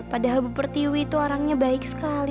padahal bu pertiwi itu orangnya baik sekali